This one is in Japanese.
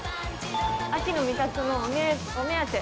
秋の味覚のお目当て。